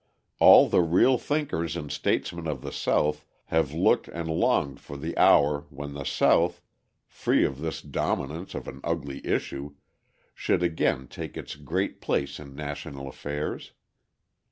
All the real thinkers and statesmen of the South have looked and longed for the hour when the South, free of this dominance of an ugly issue, should again take its great place in national affairs.